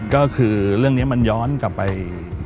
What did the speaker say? ก็คือเรื่องนี้มันย้อนกลับไป